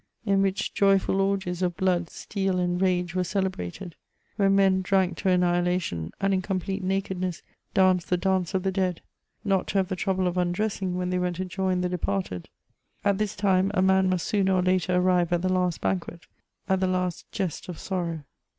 in which joyful orgies ^ blood, steel, and rage were cdebrated; when mi»i drank toan nihilaticm, and in complete nakedness danced the dance of the dead, not to have the trouble of undressing when tliey went to join the departed ; at this time, a man must sooner or later arrive at the last banquet, at the last jest of sorrow.